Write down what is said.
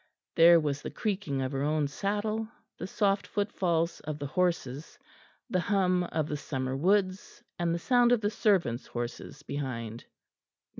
There was the creaking of her own saddle, the soft footfalls of the horses, the hum of the summer woods, and the sound of the servants' horses behind.